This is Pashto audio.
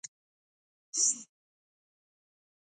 سانتیاګو د ملک صادق پاچا سره ملاقات کوي.